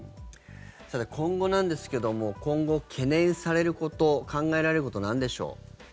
今後なんですけども今後、懸念されること考えられること、なんでしょう？